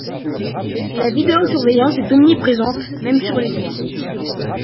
La vidéosurveillance est omniprésente, même sur les toits.